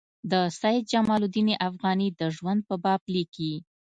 د سید جمال الدین افغاني د ژوند په باب لیکي.